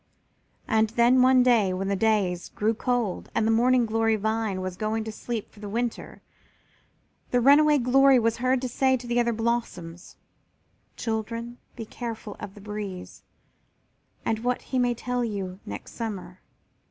And then one day when the days grew cold and the Morning glory vine was going to sleep for the winter, the runaway Glory was heard to say to the other blossoms: "Children, be careful of the breeze and what he may tell you next summer.